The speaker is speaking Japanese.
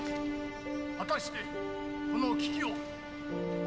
「果たしてこの危機を私たち」。